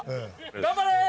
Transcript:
頑張れー！